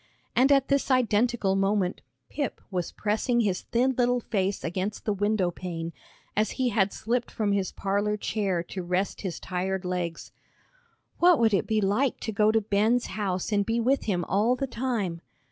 And at this identical minute Pip was pressing his thin little face against the window pane, as he had slipped from his parlor chair to rest his tired legs. "What would it be like to go to Ben's house and be with him all the time?"